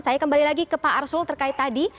saya kembali lagi ke pak arsul terkait tadi